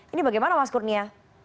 ini bagaimana mas kurnia